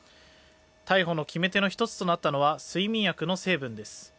逮捕の決め手の一つとなったのは睡眠薬の成分です。